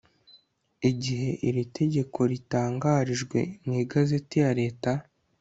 igihe iri tegeko ritangarijwe mu igazeti ya leta